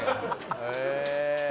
へえ！